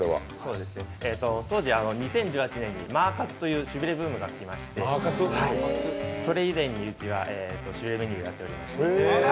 当時、２０１８年にマー活というしびれブームが来まして、それ以前にうちはしびれメニューやっておりました。